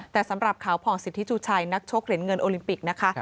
แต่สำหรับขาวผ่องสิทธิจุชัยนักชกเหรียญเงินโอลิมปิกนะคะ